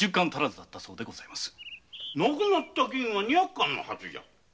無くなった銀は二百貫のはずだ。